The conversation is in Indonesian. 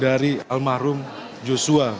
dari almarhum joshua